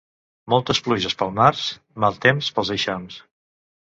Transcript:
Moltes pluges pel març, mal temps pels eixams.